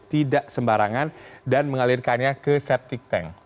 tidak sembarangan dan mengalirkannya ke septic tank